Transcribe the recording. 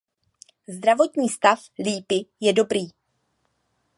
Zdravotní stav lípy je dobrý.